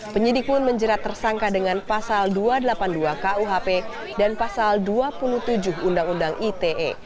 penyidik pun menjerat tersangka dengan pasal dua ratus delapan puluh dua kuhp dan pasal dua puluh tujuh undang undang ite